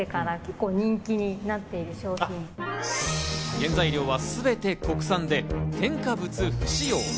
原材料はすべて国産で、添加物不使用。